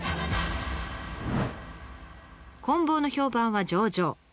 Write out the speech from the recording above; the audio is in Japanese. こん棒の評判は上々。